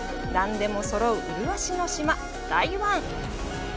何でもそろう麗しの島、台湾。